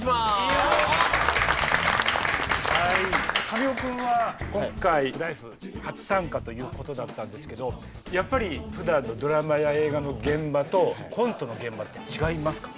神尾君は今回「ＬＩＦＥ！」初参加ということだったんですけどやっぱりふだんのドラマや映画の現場とコントの現場って違いますか？